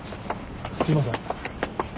すいません。